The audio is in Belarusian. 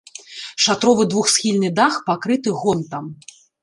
Шатровы двухсхільны дах пакрыты гонтам.